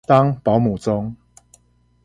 當保母中